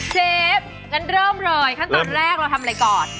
งั้นเริ่มเลยขั้นตอนแรกเราทำอะไรก่อน